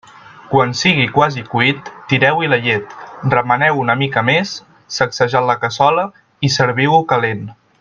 Quan sigui quasi cuit, tireu-hi la llet, remeneu-ho una mica més, sacsejant la cassola, i serviu-ho calent.